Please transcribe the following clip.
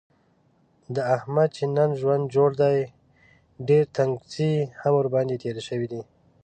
د احمد چې نن ژوند جوړ دی، ډېر تنګڅۍ هم ورباندې تېرې شوي دي.